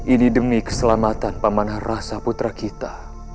ini demi keselamatan pemanah rasa putra kita